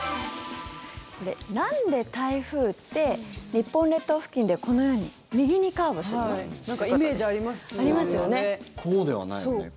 なんで台風って日本列島付近でこのように右にカーブするのということです。